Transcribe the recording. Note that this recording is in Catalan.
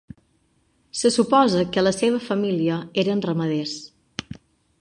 Se suposa que la seva família eren ramaders.